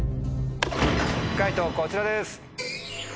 解答こちらです。